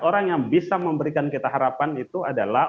orang yang bisa memberikan kita harapan itu adalah